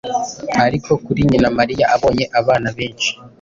Ariko kuri nyina Mariya, abonye abana benhi